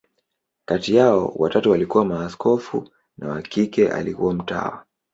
Kati yao, watatu walikuwa maaskofu, na wa kike alikuwa mtawa.